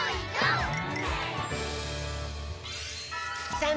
さあ